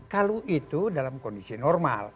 kalau itu dalam kondisi normal